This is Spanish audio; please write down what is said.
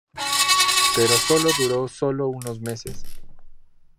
Pero sólo duró sólo unos meses.